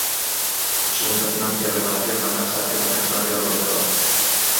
A Xunta financia a preparación da casa e tamén o salario da coidadora.